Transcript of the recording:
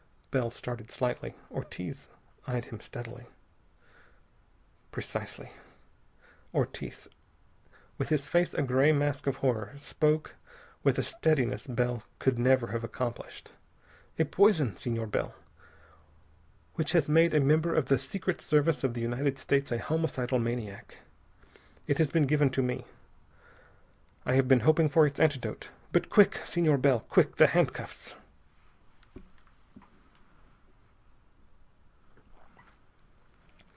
Bell started slightly. Ortiz eyed him steadily. "Precisely." Ortiz, with his face a gray mask of horror, spoke with a steadiness Bell could never have accomplished. "A poison, Senor Bell, which has made a member of the Secret Service of the United States a homicidal maniac. It has been given to me. I have been hoping for its antidote, but Quick! Senor Bell! Quick! The handcuffs!"